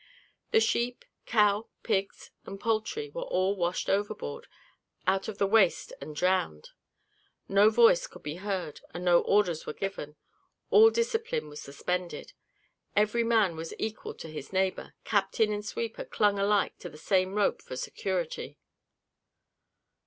The sheep, cow, pigs, and poultry, were all washed overboard out of the waist and drowned; no voice could be heard, and no orders were given; all discipline was suspended; every man was equal to his neighbour; captain and sweeper clung alike to the same rope for security.